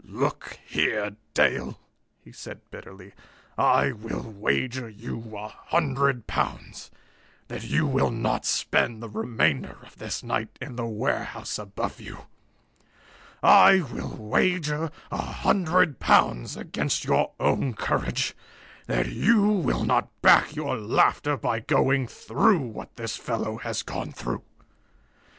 "Look here, Dale," he said bitterly, "I will wager you a hundred pounds that you will not spend the remainder of this night in the warehouse above you! I will wager a hundred pounds against your own courage that you will not back your laughter by going through what this fellow has gone through.